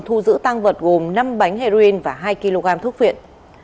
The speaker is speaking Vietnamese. thu giữ tăng vật gồm năm bánh heroin và hai kg thuốc viện